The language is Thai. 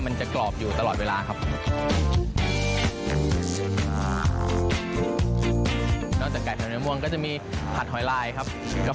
มันจะกรอบอยู่ตลอดเวลาครับ